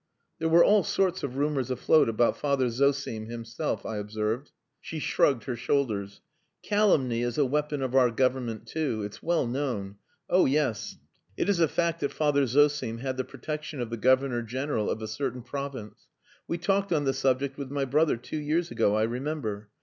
"There were all sorts of rumours afloat about Father Zosim himself," I observed. She shrugged her shoulders. "Calumny is a weapon of our government too. It's well known. Oh yes! It is a fact that Father Zosim had the protection of the Governor General of a certain province. We talked on the subject with my brother two years ago, I remember.